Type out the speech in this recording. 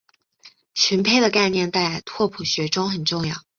群胚的概念在拓扑学中很重要。